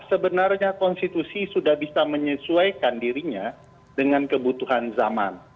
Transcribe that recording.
sebenarnya konstitusi sudah bisa menyesuaikan dirinya dengan kebutuhan zaman